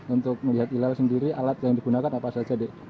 untuk melihat hilal sendiri alat yang digunakan apa saja dek